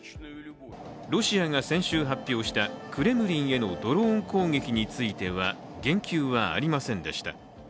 ロシアが選手発表したクレムリンへのドローン攻撃については言及はありませんでした。